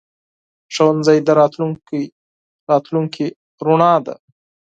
ښوونځی د راتلونکي رڼا ده.